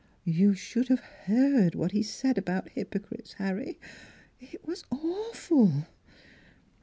You should have heard what he said about hypo crites, Harry. It was awful!